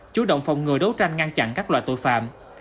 chủ động phòng ngừa đấu tranh ngăn chặn các loại tội phạm